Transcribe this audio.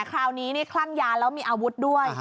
คราวนี้นี่คลั่งยาแล้วมีอาวุธด้วย